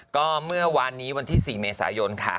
ก็เมื่อวานนี้วันที่๔เมษายนค่ะ